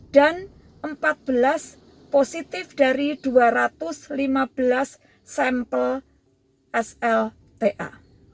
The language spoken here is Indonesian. dan empat belas positif dari dua ratus lima belas sampel slta